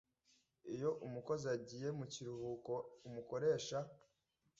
Iyo umukozi agiye mu kiruhuko umukoresha